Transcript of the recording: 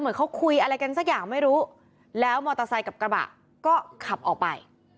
เหมือนเขาคุยอะไรกันสักอย่างไม่รู้แล้วมอเตอร์ไซค์กับกระบะก็ขับออกไป